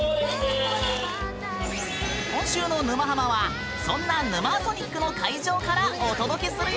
今週の「沼ハマ」はそんな「ヌマーソニック」の会場からお届けするよ！